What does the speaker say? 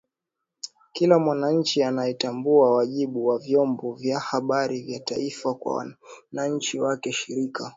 kila mwananchi anayetambua wajibu wa vyombo vya habari vya taifa kwa wananchi wake Shirika